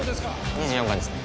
２４番ですね